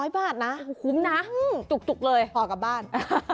๐บาทนะคุ้มนะจุกเลยออกกลับบ้าน